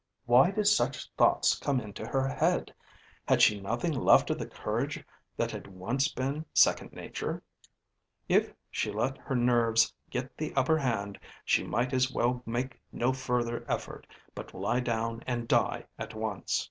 Why did such thoughts come into her head? Had she nothing left of the courage that had once been second nature? If she let her nerves get the upper hand she might as well make no further effort, but lie down and die at once.